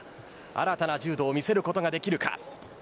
新たな柔道を見せることができるか